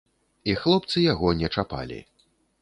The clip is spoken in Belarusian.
І хлопцы яго не чапалі.